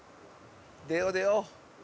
出よう出よう。